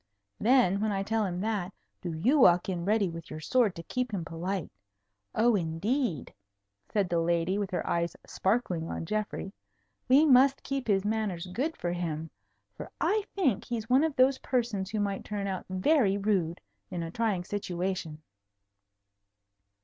Then, when I tell him that, do you walk in ready with your sword to keep him polite. Oh, indeed," said the lady, with her eyes sparkling on Geoffrey, "we must keep his manners good for him. For I think he's one of those persons who might turn out very rude in a trying situation."